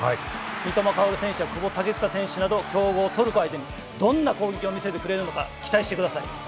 三笘薫選手や久保建英選手など強豪・トルコ相手にどんな攻撃を見せてくれるのか期待してください。